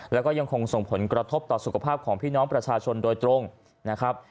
แล้วก็ยังคงส่งผลกระทบต่อสุขภาพของพี่น้องประชาชนโดยตรงนะครับ